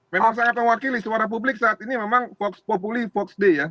memang saya mewakili suara publik saat ini memang populi fox day ya